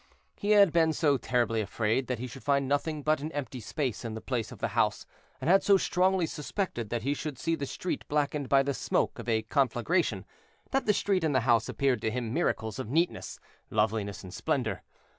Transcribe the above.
He had been so terribly afraid that he should find nothing but an empty space in the place of the house, and had so strongly suspected that he should see the street blackened by the smoke of a conflagration, that the street and the house appeared to him miracles of neatness, loveliness, and splendor.